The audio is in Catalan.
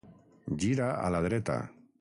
Gira a la dreta.